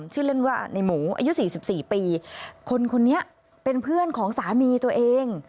ชื่อเล่นว่าในหมูอายุสี่สิบสี่ปีคนคนนี้เป็นเพื่อนของสามีตัวเอง